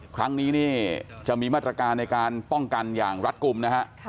ครั้งนี้นี่จะมีมาตรการในการป้องกันอย่างรัฐกลุ่มนะฮะ